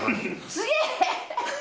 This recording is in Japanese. すげえ！